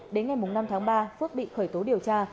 đến ngày năm tháng ba phước bị khởi tố điều tra